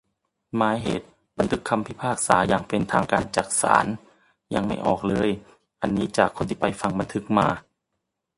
หมายเหตุ : บันทึกคำพิพากษาอย่างเป็นทางการจากศาล ยังไม่ออกเลย. อันนี้จากที่คนไปฟังบันทึกมา